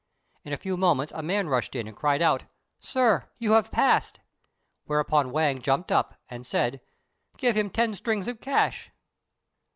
In a few moments a man rushed in, and cried out, "Sir! you have passed!" whereupon Wang jumped up, and said, "Give him ten strings of cash."